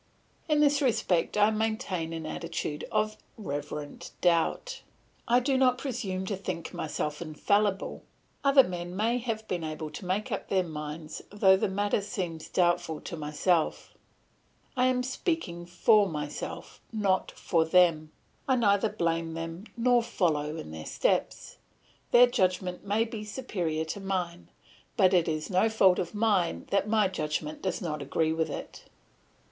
In this respect I maintain an attitude of reverent doubt. I do not presume to think myself infallible; other men may have been able to make up their minds though the matter seems doubtful to myself; I am speaking for myself, not for them; I neither blame them nor follow in their steps; their judgment may be superior to mine, but it is no fault of mine that my judgment does not agree with it.